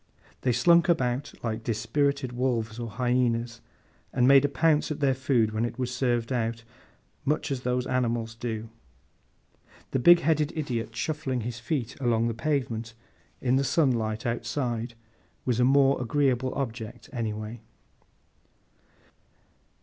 They slunk about, like dispirited wolves or hyænas; and made a pounce at their food when it was served out, much as those animals do. The big headed idiot shuffling his feet along the pavement, in the sunlight outside, was a more agreeable object everyway.